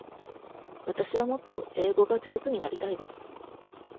わたしはもっと英語が上手になりたいです。